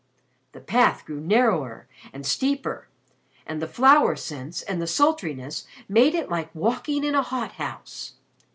The path grew narrower and steeper, and the flower scents and the sultriness made it like walking in a hothouse.